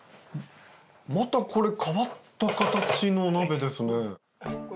またこれ変わった形の鍋ですね。